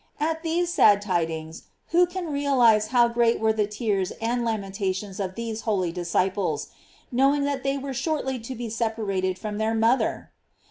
At these sad tidings, who can realize how great were the tears and lamentations of these holy disciples, knowing that they were shortly to be separated from their mother